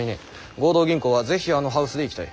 合同銀行は是非あのハウスでいきたい。